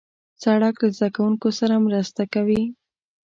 سړک له زدهکوونکو سره مرسته کوي.